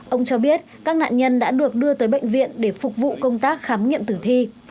ông cho biết các nạn nhân đã được đưa tới bệnh viện để phục vụ công tác khám nghiệm tử thi